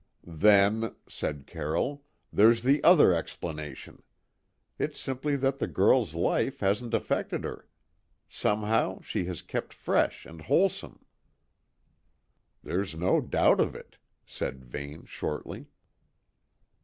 "Then," said Carroll, "there's the other explanation. It's simply that the girl's life hasn't affected her. Somehow she has kept fresh and wholesome." "There's no doubt of it," said Vane shortly.